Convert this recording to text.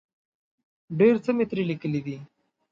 ډېر څه مې ترې لیکلي دي.